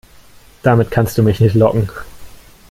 Damit kannst du mich nicht locken.